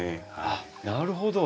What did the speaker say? あっなるほど。